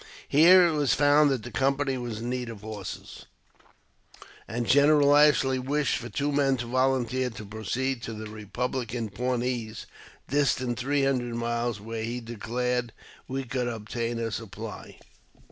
Here it was found that the company was in need of horses, and General Ashley wished for two men to volunteer to pro ceed to the Eepublican Pawnees, distant three hundred miles, where he declared we could obtain a supply.